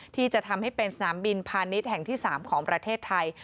ที่จะทำให้เป็นสนามบินพาณิชย์แห่งที่๓ของประเทศไทย